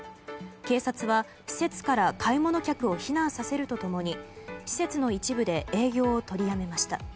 警察は施設から買い物客を避難させると共に施設の一部で営業を取りやめました。